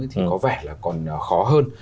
thì có vẻ là còn khó hơn